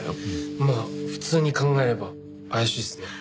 まあ普通に考えれば怪しいっすね。